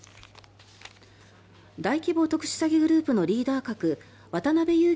大規模特殊詐欺グループのリーダー格渡邉優樹